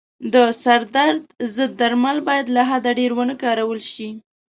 د سردرد ضد درمل باید له حده ډېر و نه کارول شي.